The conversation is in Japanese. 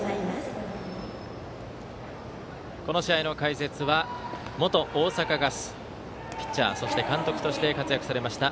この試合の解説は元大阪ガスピッチャーそして監督として活躍されました